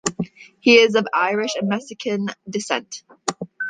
He is of Irish and Mexican descent.